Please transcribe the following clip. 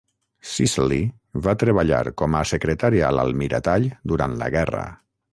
Cicely va treballar com a secretària a l'Almiratall durant la guerra.